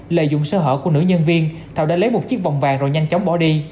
lợi dụng sơ hở của nữ nhân viên thảo đã lấy một chiếc vòng vàng rồi nhanh chóng bỏ đi